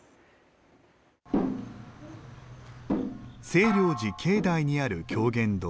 清凉寺境内にある狂言堂。